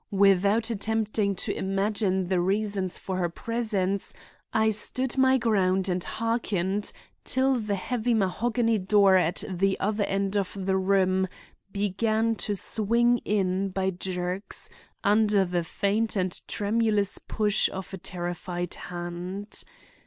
Without attempting to imaging the reason for her presence, I stood my ground and harkened till the heavy mahogany door at the other end of the room began to swing in by jerks under the faint and tremulous push of a terrified hand.